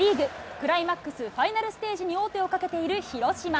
クライマックスファイナルステージに王手をかけている広島。